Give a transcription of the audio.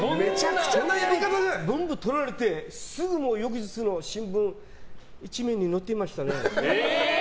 全部撮られてすぐ翌日の新聞の一面に載ってましたね。